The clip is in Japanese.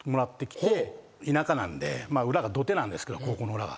田舎なんで裏が土手なんですけど高校の裏が。